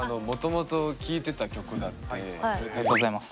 すごくありがとうございます。